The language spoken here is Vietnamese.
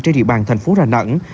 trên địa bàn thành phố rà nẵng